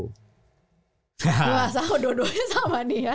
wah dua duanya sama nih ya